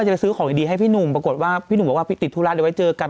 เฮ้ยจะซื้อของดีให้พี่หนุ่มปรากฎพี่หนุ่มบอกว่าติดธุรกิจอยากจะไปเจอกัน